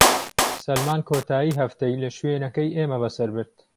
سەلمان کۆتاییی هەفتەی لە شوێنەکەی ئێمە بەسەر برد.